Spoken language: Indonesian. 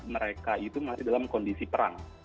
mereka itu masih dalam kondisi perang